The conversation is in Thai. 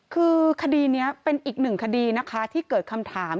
คือคดีนี้เป็นอีกหนึ่งคดีนะคะที่เกิดคำถาม